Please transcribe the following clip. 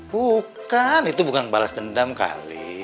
bukan itu bukan balas dendam kali